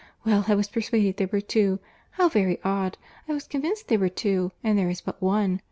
Well, I was persuaded there were two. How very odd! I was convinced there were two, and there is but one.